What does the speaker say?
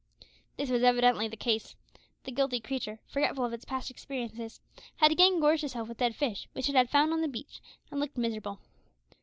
This was evidently the case. The guilty creature, forgetful of its past experiences, had again gorged itself with dead fish, which it had found on the beach, and looked miserable.